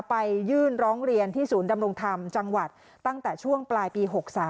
ไปยื่นร้องเรียนที่ศูนย์ดำรงธรรมจังหวัดตั้งแต่ช่วงปลายปี๖๓